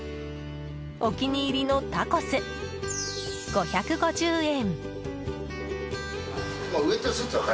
お気に入りのタコス、５５０円。